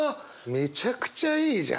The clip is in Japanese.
めちゃくちゃいいじゃん！